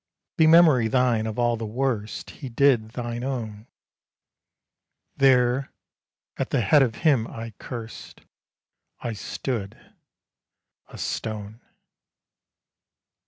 Be memory thine of all the worst He did thine own!_ There at the head of him I cursed I stood a stone.